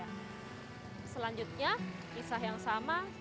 tapi calendar ini masih tetap banget ya kan